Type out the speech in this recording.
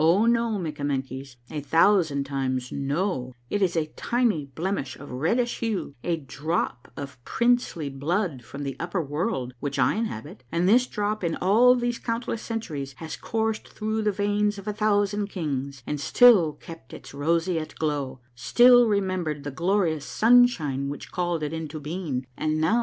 Oh, no, Mikkamen kies, a thousand times no : it is a tiny blemish of reddish hue, a drop of princely blood from the upper world, which I inhabit, and this drop in all these countless centuries has coursed through the veins of a thousand kings, and still kept its roseate glow, still remembered the glorious sunshine which called it into being; and now.